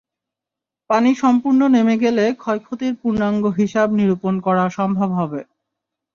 পানি সম্পূর্ণ নেমে গেলে ক্ষয়ক্ষতির পূর্ণাঙ্গ হিসাব নিরূপণ করা সম্ভব হবে।